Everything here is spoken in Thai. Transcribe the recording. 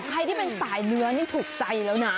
ใครที่เป็นสายเนื้อนี่ถูกใจแล้วนะ